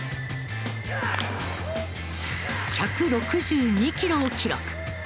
１６２キロを記録。